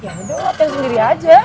ya udah pakai sendiri aja